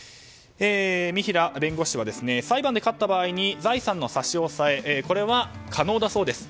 三平弁護士は裁判で勝った場合に財産の差し押さえこれは可能だそうです。